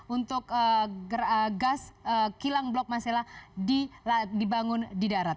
untuk gas kilang blok masela dibangun di darat